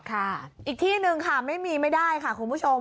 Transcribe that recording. อีกที่หนึ่งค่ะไม่มีไม่ได้ค่ะคุณผู้ชม